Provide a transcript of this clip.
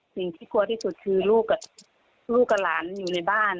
สิ่งที่กลัวที่สุดคือลูกกับลูกกับหลานอยู่ในบ้าน